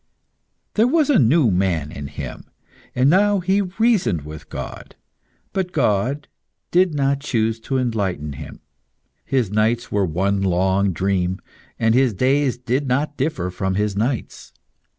There was a new man in him and now he reasoned with God, but God did not choose to enlighten him. His nights were one long dream, and his days did not differ from his nights.